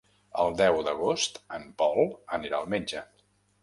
El deu d'agost en Pol anirà al metge.